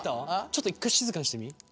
ちょっと一回静かにしてみ。